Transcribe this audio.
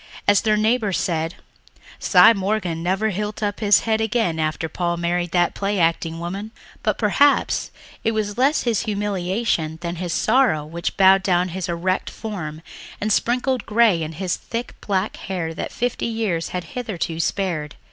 As their neighbours said, "Cy Morgan never hilt up his head again after Paul married the play acting woman." But perhaps it was less his humiliation than his sorrow which bowed down his erect form and sprinkled grey in his thick black hair that fifty years had hitherto spared.